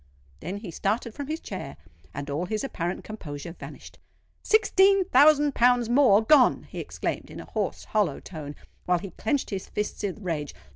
Then he started from his chair, and all his apparent composure vanished. "Sixteen thousand pounds more gone!" he exclaimed, in a hoarse, hollow tone, while he clenched his fists with rage.